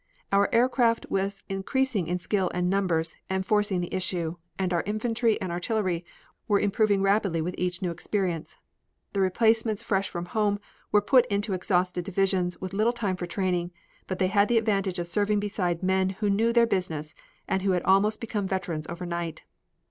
Our aircraft was increasing in skill and numbers and forcing the issue, and our infantry and artillery were improving rapidly with each new experience. The replacements fresh from home were put into exhausted divisions with little time for training, but they had the advantage of serving beside men who knew their business and who had almost become veterans over night.